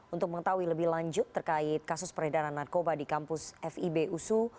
untuk mengetahui lebih lanjut terkait kasus peredaran narkoba di kampus fib usu